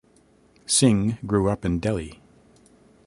Singh grew up in Delhi.